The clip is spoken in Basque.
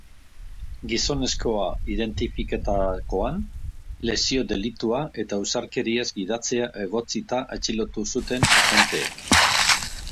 Gizonezkoa identifikatutakoan, lesio delitua eta ausarkeriaz gidatzea egotzita atxilotu zuten agenteek.